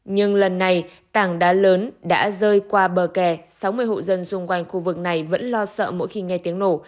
nhưng lần này tảng đá lớn đã rơi qua bờ kè sáu mươi hộ dân xung quanh khu vực này vẫn lo sợ mỗi khi nghe tiếng nổ